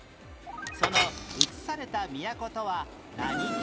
その遷された都とは何京？